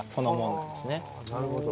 なるほど。